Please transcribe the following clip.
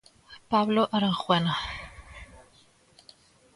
Pablo Arangüena.